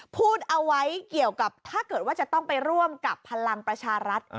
พูดเอาไว้เกี่ยวกับถ้าเกิดว่าจะต้องไปร่วมกับพลังประชารัฐ